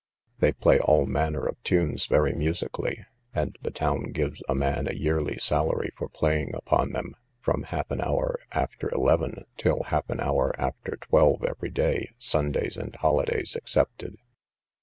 They play all manner of tunes very musically; and the town gives a man a yearly salary for playing upon them, from half an hour after eleven till half an hour after twelve every day, Sundays and holidays excepted.